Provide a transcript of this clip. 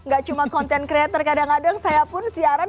gak cuma konten kreator kadang kadang saya pun siaran